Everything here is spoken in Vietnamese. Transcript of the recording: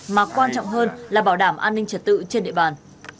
mà quan trọng hơn là bảo đảm an ninh trật tự trên địa bàn